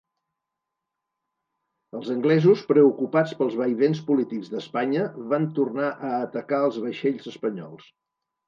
Els anglesos, preocupats pels vaivens polítics d'Espanya, van tornar a atacar els vaixells espanyols.